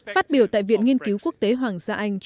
phát biểu tại viện nghiên cứu quốc tế hoàng gia anh chatham house